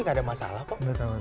tidak ada masalah kok